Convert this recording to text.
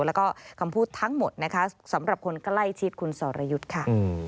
แล้วก็คำพูดทั้งหมดนะคะสำหรับคนใกล้ชิดคุณสรยุทธ์ค่ะ